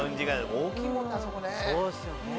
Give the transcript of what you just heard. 大きいもんねあそこね。